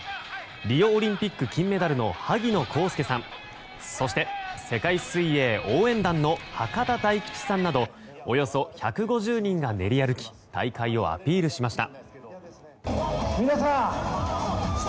リオオリンピック金メダルの萩野公介さんそして世界水泳応援団の博多大吉さんなどおよそ１５０人が練り歩き大会をアピールしました。